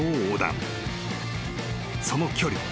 ［その距離。